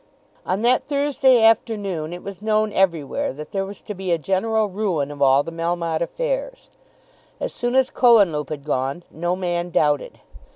On that Thursday afternoon it was known everywhere that there was to be a general ruin of all the Melmotte affairs. As soon as Cohenlupe had gone, no man doubted.